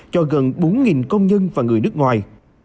cho gần bốn công nhân và người nước ngoài